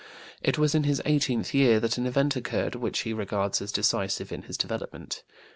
It was in his eighteenth year that an event occurred which he regards as decisive in his development.